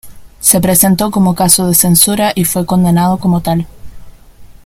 Se presentó como caso de censura y fue condenado como tal.